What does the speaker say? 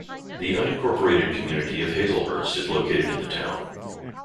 The unincorporated community of Hazelhurst is located in the town.